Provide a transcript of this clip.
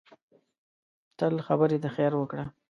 تل خبرې د خیر وکړه